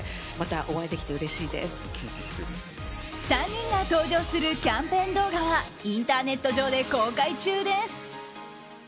３人が登場するキャンペーン動画はインターネット上で公開中です。